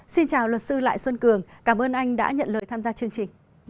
xin chào luật sư lại xuân cường cảm ơn anh đã nhận lời tham gia chương trình